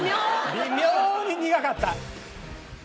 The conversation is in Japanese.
微妙に苦かった。